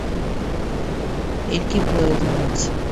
এর কী প্রয়োজন আছে?